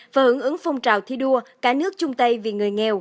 và hưởng ứng phong trào thi đua cả nước chung tay vì người nghèo